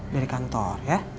dari kantor ya